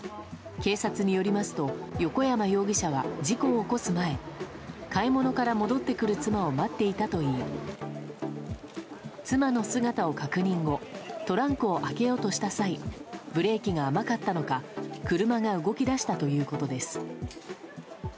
警察によりますと、横山容疑者は事故を起こす前、買い物から戻ってくる妻を待っていたといい、妻の姿を確認後、トランクを開けようとした際、ブレーキが甘かったのか、車が動き出したということです。